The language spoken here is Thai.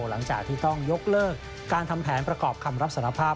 หลังจากที่ต้องยกเลิกการทำแผนประกอบคำรับสารภาพ